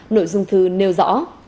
nội dung thư nêu rõ